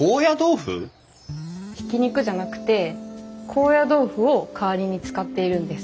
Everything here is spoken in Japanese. ひき肉じゃなくて高野豆腐を代わりに使っているんです。